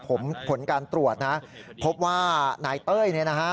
ผมผลการตรวจพบว่านายเต้ย